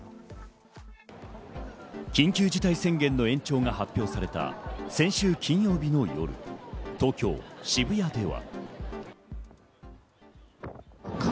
緊急事態宣言の延長が発表された先週金曜日の夜、東京・渋谷では。